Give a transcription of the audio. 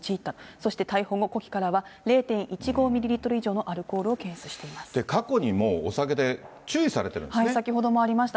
そして逮捕後、呼気からは０．１５ミリリットル以上のアルコールを検出していま過去にも、お酒で注意されて先ほどもありました、